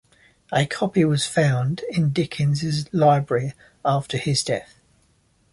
A copy was found in Dickens's library after his death.